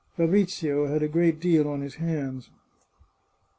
Fabrizio had a great deal on his hands.